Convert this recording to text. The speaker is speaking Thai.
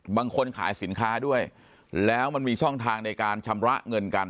บางคนขายสินค้าด้วยแล้วมันมีช่องทางในการชำระเงินกัน